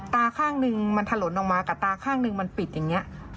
ตาข้างหนึ่งมันถล่นออกมากับตาข้างหนึ่งมันปิดอย่างนี้